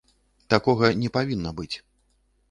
Такога не павінна быць.